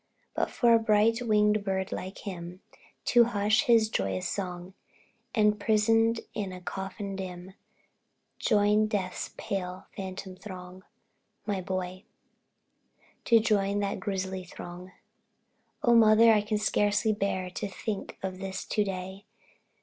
But for a bright winged bird like him, To hush his joyous song, And, prisoned in a coffin dim, Join Death's pale, phantom throng My boy To join that grisly throng! Oh, Mother, I can scarcely bear To think of this to day!